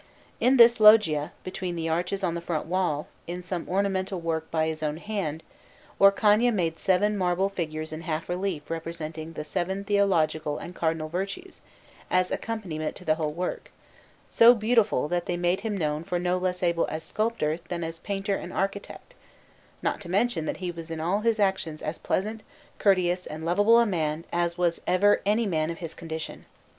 In this Loggia, between the arches on the front wall, in some ornamental work by his own hand, Orcagna made seven marble figures in half relief representing the seven Theological and Cardinal Virtues, as accompaniment to the whole work, so beautiful that they made him known for no less able as sculptor than as painter and architect; not to mention that he was in all his actions as pleasant, courteous, and lovable a man as was ever any man of his condition.